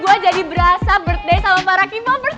gue jadi berasa birthday sama para keepovers